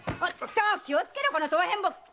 気をつけろこの唐変木！